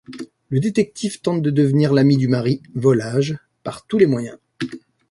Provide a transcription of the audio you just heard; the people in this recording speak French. Le détective tente de devenir l'ami du mari volage par tous les moyens.